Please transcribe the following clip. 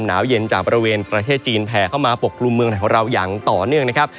หนาวเย็นจากบริเวณประเทศจีนแผ่เข้ามาปกกลุ่มเมืองไทยของเราอย่างต่อเนื่องนะครับ